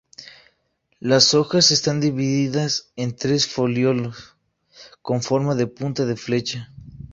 Las hojas están divididas en tres foliolos con forma de punta de flecha.